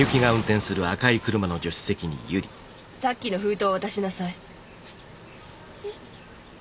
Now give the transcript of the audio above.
さっきの封筒渡しなさいえっ？